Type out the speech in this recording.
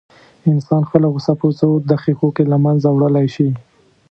انسان خپله غوسه په څو دقيقو کې له منځه وړلی شي.